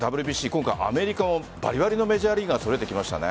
今回、アメリカもバリバリのメジャーリーガー揃えてきましたね。